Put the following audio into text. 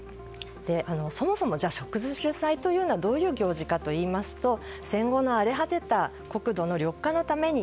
そもそも植樹祭というのはどういう行事かといいますと戦後の荒れ果てた国土の緑化のために